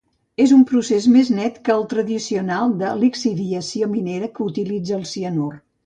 És un procés més net que el tradicional de lixiviació minera que utilitza cianur.